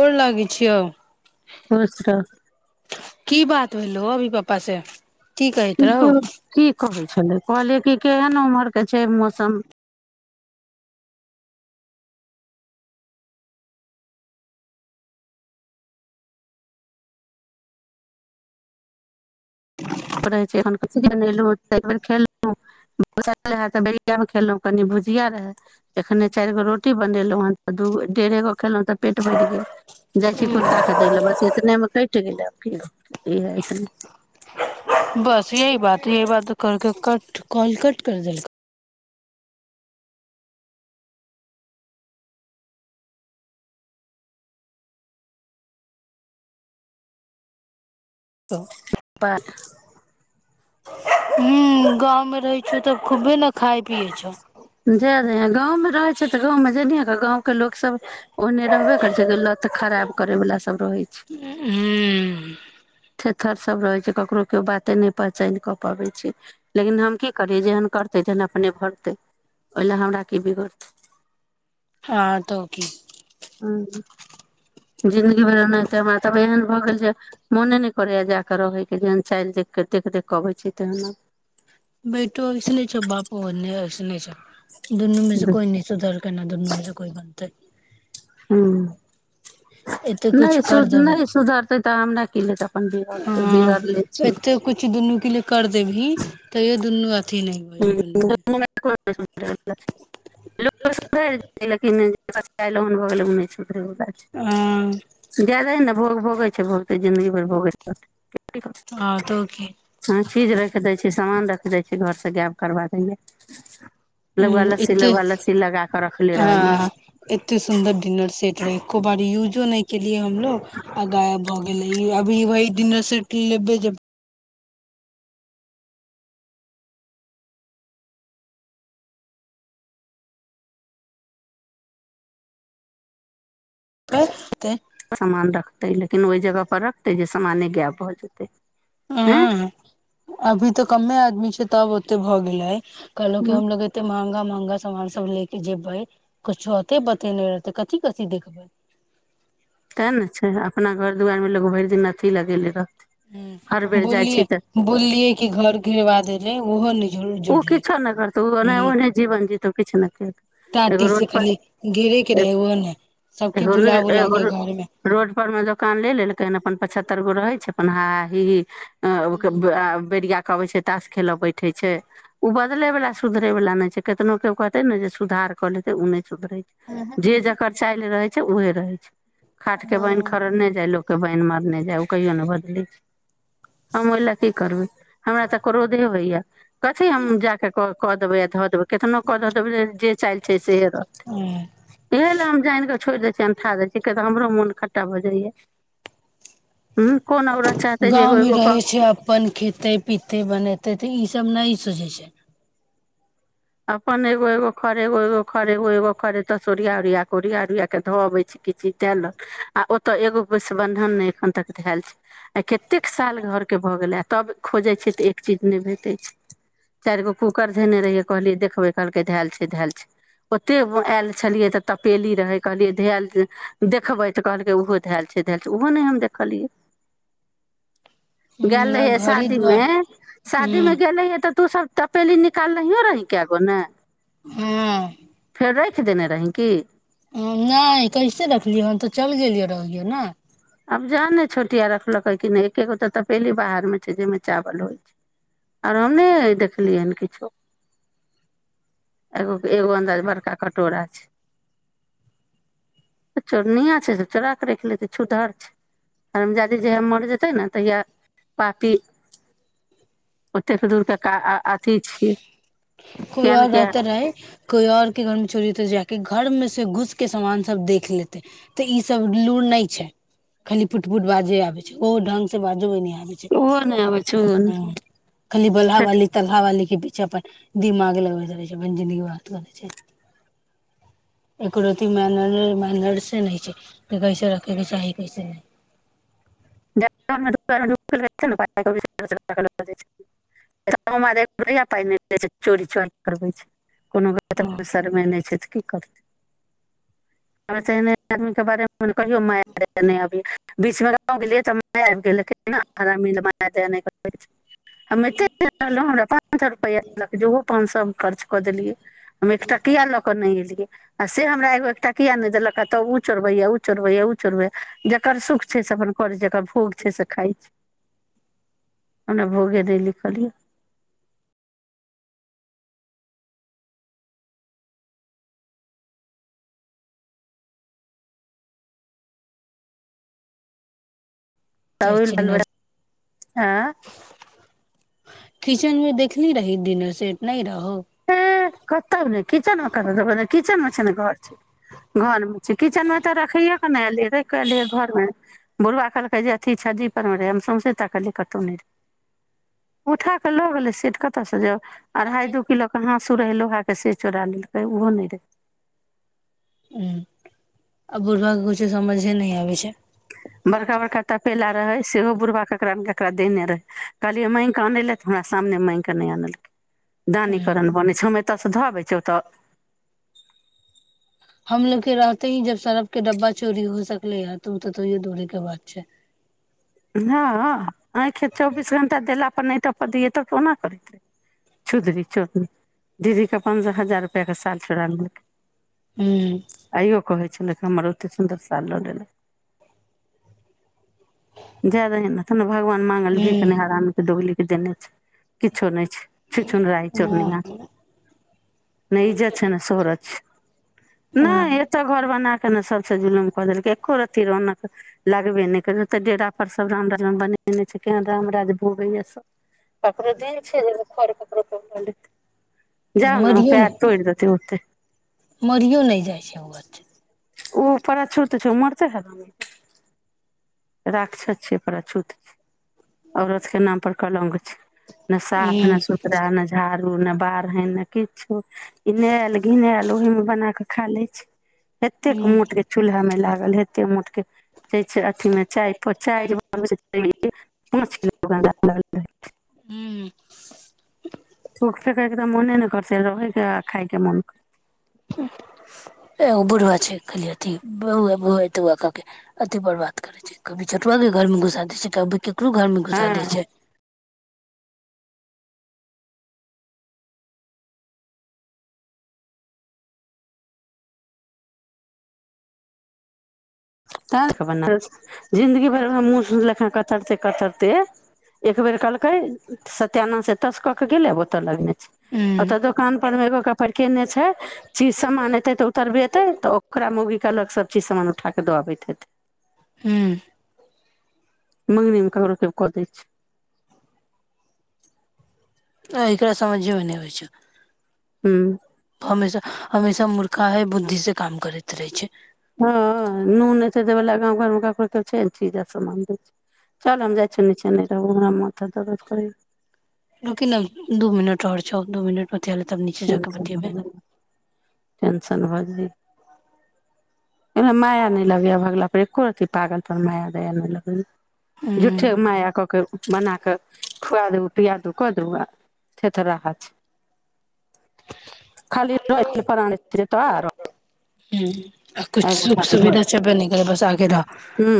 गोर लागै छियौव खुश की बात भेलो अभी पप पासै [unintelligible] कि कहै छलै कहलियै कि केहन उम्हरके छैय मौसम रहै छै एखन कथ बनेलहुँ त बेर खयलहुँ रहए तऽ बेरियामे खयलहुँ कनि भुजिया रहय एखने चारि गो रोटी बनेलहुँ हन तऽ दू गो डेढ़े गो खयलहुँ तऽ पेट बढ़ि गेल जाइ छी कुत्ताकेँ दै लेल बस इतनेमे कटि गेलै आब कि इएह इतने बस यही बात यही बात करके कट काॅल कट करि देलकै उप्प हूं गाँवमे रहै छियौ तब खूब्बे ने खाय पियै छियौ एल गाँव मे रहे छै तऽ गाँव मे जानइ कअ [inaudible] त गाँव के लोक सब ओहने रहबे करै छै जे लत खराब करैबला सभ रहै छै थेथर सभ रहय छै ककरो केओ बाते नहि पहचानि कऽ पबय छै लेकिन हम की करियै जेहन करतै तेहन अपने भरतै ओहि लए हमरा की बिगड़तै हँ तऽ की जिन्दगी भरि एनाहिते हमरा तब एहन भऽ गेल जे मोने नहि करैए जा कऽ रहयके जेहन चालि देखि कऽ देख देख कऽ अबैत छी तेहन हम बेैटो ओइस्ने छ बापो ओहने ओइसने छ दुनूमे से आब कोइ न सुधार कन न दुनूमे से कोइ बनतै हूं एते कुछ नइ कर सुध देबै नइ सुधर तै तऽ हमरा की लेतय हँ एत्ते कुछ दुन्नूके लिए कर देबही तइयो दुन आ [unintelligible] [unintelligible] हँ जाए दहि ने भोग भोगै छै भोगतै जिन्दगी भर भोगइत रहतइ तऽ की हँ चीज राख दै छै सामान रख जाय छि घर त' गायब करबा दइया हं एत्ते रखले रहैए हं एत्ते सुन्दर डिनर सेट रहइ एको बार युजो नइ केलियै हमलोग आ गायब भ गेले इ अभी वही डिनर सेट लेबै जेब समान रखतै लेकिन ओहि जगह पर रखतै जे समाने गैब भ जेतै आँय हं हं अभी त कमे आदमी छै तब ओते भ गेलय कहलों कि हमलोग एते महंगा महंगा हंगा सामान सब ले के जेबै कुछो होते बतेने रहतै कथी कथी देखबै तैन न छैय अपना घर दुआार में लोग भरि दिन अथी लगेले रह ह बोललियै बोललियै कि घर गिरबा दे रहै ओहो नहि जर ओ जोड़लै किछो नहि करतौ ओ ओने ह ओने जीवन जीतौ किछु नहिे टााँटी से खली घेरे के रहे ओ ने सबके एगो बुला बुला एगो के घर मे रोड पर मे दोकान ले लेलकै हन अपन पचहत् तर गो रहै छैय अपन हा हा ही ही [unintelligible] कहबे छैय ताास खेले बैठे छैय ऊ बदले वाला सुधरे वाला नहि छैय केतनो केउ कहते ने जे सुधार क लेते उ नइ सुधरइ छैय जे जकर चाल रहै उहे रहै छैय खाट के बान्न हँ खड़ने जाइ लोक बैन मारने जाइ उ कहियो नहि बदली हम ओहि लै की करबै हमरा तऽ क्रोधे होइएह कथी हम जाक कऽ देबै आ धऽ देबै केतनो कऽ द देब जे चालल छैय सेहे ह रहतै इहै लै हम जानि के छोड़ि दै छियै अनठा दै छियै‌ मोन खटा भ जाइयै गाँव मे रहै छैय अपन खेतै पीतै बनेतै तऽ ई सब नहि सुझयै छै अपन एगो एगो खर एगो एगो खर एगो एगो खर एत स ओरिया ओरिया कऽ ओरिया ओरिया कऽ धऽ अबैत छी किछ चीज दए लेल आ ओतय एगो [unintelligible] बन्धन नहि एखन तक धयल छैय आ कतेक साल घरके भऽ गेलै तब खोजैत छैैय तऽ एक चीज नहि भेटैत छैय चारि गो कूकर धेने रहियै कहलिय देखबय कहलकै धैल छै‌य धैल छैय ओते आयल चलिये त तपेली रहै कहलियै धैल देखबै तऽ कहलकै ओहो धैल छैय धैल छैय ओहो नहि हम देखलियै गेल ह रहिये घरे शादी दुआर में ह शादी में गेल रहिे तऽ तू सब तपेली निकालो रहि कैगो ने हँ फेर रखि देने रहि की नहि कैसे रखलियै हन तऽ चलि गेलियै रहलियै ने आब जाने छोटिया रखलकै की नहि एकेगो त तपेली बाहर मे छैय जाहिमे चावल होइ छैय आ हम नहि देखलिय हन किछो एगो एगो अन्दाज बड़का कटोरा छैय चोरनिया छैय चोरा के रख लेतय छूतहर छै हरमजादी जहीया मर जेतै ने तहिआ पापी ओतेक दूरके का अथी छियै किया ने किया कोई और के घर में चोरतै जा के घर में से घुस के सामान सब देख लेते त इ सब लूर न छैय खाली पुट पुट बाजे आबे छैय ओ ढंग से बाजो न आबय ओहो ने अबै छन खाली बलहा वाली तलहा वाली के पीछा अपन दिमाग लगबैत रहे छै अपन जिन्दगी करै छै एकरो मैर्नस से नहि छै कैसे रखे के चाही कैसे नहि [unintelligible] कोनो हँ गतर मे सरमे नहि छै त [unintelligible] [unintelligible] [unintelligible] हमेत रहल हमरा पाँच सए रुपआ लग ज [unintelligible] हम सब खर्च कऽ देलियै हम एकटाकिया लऽ क नहि एलियै आ से हमरा एगो एकटा किया नहि देलक ह तब उ चोरबैया ऊ चोरबैया ऊ चोरबैया जकर सुख छै से अपन कर जेकर खोग छै से खाइ छै ओना भोगे दैलिखलियै तऽ ओहि च बाल नर्स बच्चा आँय? किचेन मे देखली रही दिनर सेट नहि रहो करत क किचन करत त क किचन मे छै ने घर छै घरमे च किचनमे तऽ रखैयए एलियै र के एलिय घर में बुवा कहलकै जे अथी छज्जी पर में रे हम सौंसे त कहलियै कतहु रे उठा के लो गेले सेट कत से ज अढ़ाइ दू किलो कहाँ से रहै लोहाके से चोरा लेलकै ओहो नहि देल ह आ बूलब किछ समझे नहि आबै छै बड़का बड़का तपेला रहै सेहो बुढ़बा ककरा ने ककरा देने रहै कहलियै माङग कऽ आनयलए तऽ हमरा सामने माङग कऽ नहि अनलकै हूँ दानीकरण बने छल ओत धऽबै छतऽ हमलोग के रहते ही जब सड़फ के डब्बा चोरी हो सकले या तू तऽ तैयो दुरे के बात छै हँ आँखि चौबीस घंटा देलापर नहि तऽ दिय तऽ कोना करैत छुधरीचोदी दीदीके पन्द्रह हजार रुपैआके साल चोड़ा लेलकै हूँ अइयो कहै छै हमर ओते सुंदर साल ल लेलक जादहि न तब ने भगवान माँंगल भीक नै हूँ हरामी के दोगलि देने छै किछो नहि छुछुनराही चोदी न नहि इजत छै ने सोहरत छै हँ नहि एतऽ घर बनाक कने सबस जुलुम कऽ देलकै एको रत्ति रौनक लागबे नहि कर तऽ डेरा पर सब राम राज बनेने छै केहन राम राज भोगैया सब [unintelligible] [unintelligible] जाउ ने पैर तोइड़ देतइ ओतै मइरिओ नहि जाइ छैय ओ व [unintelligible] राखछछ छै ओकरा छूत छैय औरत के नाम पर कलंक छैय नहि साफ नहि हूँ सुथरा न झाड़ ने बारहनि ने किछो इनायल घिनायल ओहिमे बना क खा लै छैय एत्तेक हूँ मोट के चूल्हा में लाग ल हेते मोटके [unintelligible] [unintelligible] हूं थूक फेेकैके तऽ मने ने करतै रहैके आ खायके मन कर एगो बुढ़बा छैय कहलिय अथी बौआ बौआ तौआके अथी बर्बाद करैत छैय कभी छोटुआके घरमे घुसा दै छैय त कभी ककरो घरमे घुसा हँ दै छैय [unintelligible] कतरते कतरते एक बेेर कलकै सत्यानाश एत से कऽ के गेलै आब ओतऽ लगने छैय हुं ओतऽ दोकान पर मे एगोक पड़िकेने छैय चीज समान एतै तऽ उतरबेतै तऽ ओकरा मौगी के अलग सब चीज समान उठाकऽ दऽ अबेत हुं [unintelligible] मंगनीमे ककरो केओ कऽ दै छैय आ एकरा समझेमे नई होइ छैय हूं हमेशा हमेशा मूर्खाहे बुद्धि से काम करैत रहै छैय देवेला गाँव घरमे ककरो छैय ने चीज आ सामान दै छैय चल हम जाइ छियौ नीचे नहि रहबौ हमरा माथा दरद करैआ रूकही न दू मिनट तोहर छौ दू मिनट में टेंसन भ जा जी माया नहि लगैया अभगला पे एको रती पागल पर माया दाया नहि लगलै हुं झूठे माया कके बना कऽ खुआ द पिआ दु कऽ दू आ थेथराहा छैय खाली र [unintelligible] किछु सुख सुविधा छेबे नहि करै बस आगे रह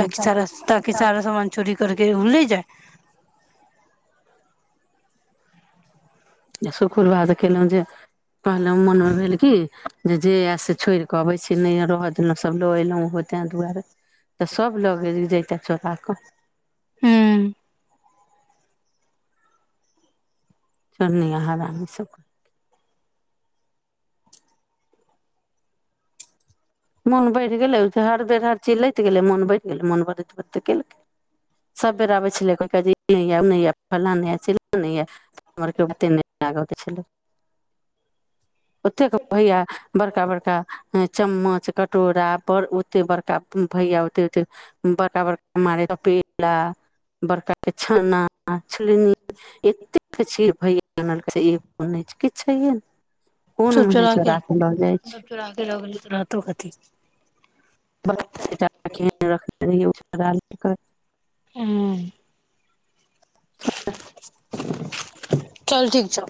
ताकि सारा ताकि सारा सामान चोरी करके ओ ले जाए य शकुरवाद केलहुं जे कहलहुं मोन मे भेल की जे आयल से छोड़ि कऽ अबैत छी नहि रहऽ देलहुँ सभ लऽ अयलहुँ ओहो ताहि दुआरे तऽ सब लग जैता चोराक हूं चोरनीया हरामी सब के मोन बढ़ि गेलै हर बेर हर चीज लैत गेलै मोन बढ़ि गेलै मोन बढ़ैते बढैते केलकै सभ बेर आबै छलै कहि क जे नई आयब नई आयब फलाँ नहि चिल्ला नहि हमरके ओते नहि लागके छलै [unintelligible] ओतेक भैया बड़का बड़का चम्मच [unintelligible] कटोरा पर ओते बड़का भैया ओते ओते बड़का बड़का मार चपेला बड़का के छना छनी एतेक चीर भैय किछो छैहे न [unintelligible] सब चोरा के छै सब चोरा के लगेलै त रातो राति [unintelligible] केहन रखने रहियै ओाल [inaudible] चल ठीक छौ